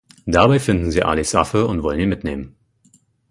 Dabei finden sie Alis Waffe und wollen ihn mitnehmen.